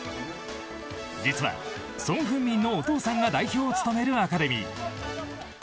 実はソン・フンミンのお父さんが代表を務めるアカデミー。